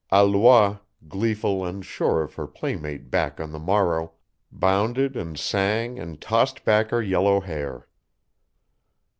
Alois, gleeful and sure of her playmate back on the morrow, bounded and sang and tossed back her yellow hair.